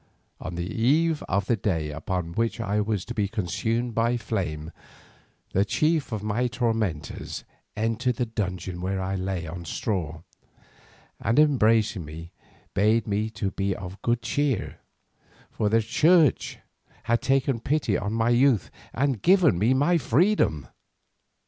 On the eve of the day upon which I was to be consumed by flame, the chief of my tormentors entered the dungeon where I lay on straw, and embracing me bade me be of good cheer, for the church had taken pity on my youth and given me my freedom.